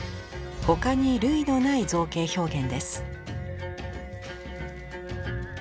他に類のない造形表現です。